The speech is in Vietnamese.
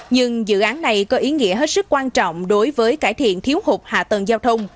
nhưng dự án này có ý nghĩa hết sức quan trọng đối với cải thiện thiếu hụt hạ tầng giao thông